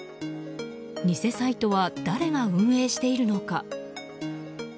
偽サイトは誰が運営しているのか。